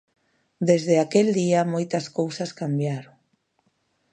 Desde aquel día, moitas cousas cambiaron.